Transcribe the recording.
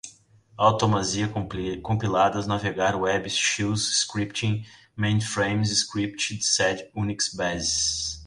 automatiza, compiladas, navegador web, shells, scripting, mainframes, script, sed, unix, bash